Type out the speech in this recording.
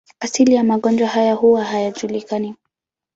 Asili ya magonjwa haya huwa hayajulikani.